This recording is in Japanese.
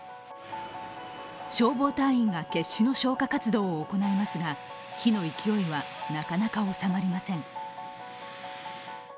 消防隊員が決死の消火活動を行いますが、火の勢いはなかなか、収まりません。